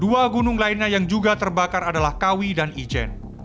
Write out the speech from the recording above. dua gunung lainnya yang juga terbakar adalah kawi dan ijen